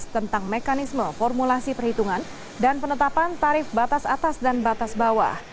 tentang mekanisme formulasi perhitungan dan penetapan tarif batas atas dan batas bawah